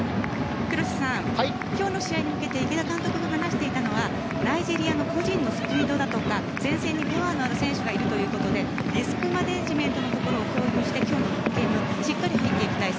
黒瀬さん、今日の試合に向けて池田監督が話していたのはナイジェリアの個人のスピードだとか前線にパワーのある選手がいるということでリスクマネジメントをしっかりとしてしっかり入っていきたい